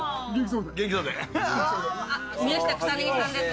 宮下草薙さんです。